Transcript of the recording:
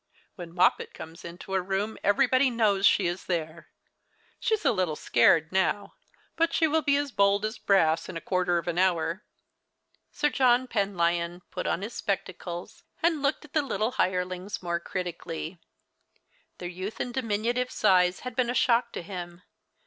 When Moppet comes into a room every body knows she is there. She is a little scared now ; but she will be as bold as brass in a quarter of an hour." Sir John Penlyon put on his spectacles and looked at G 98 The Christmas Hirelings. the little hirelings more critically. Their youth and diminutive size had been a shock to him.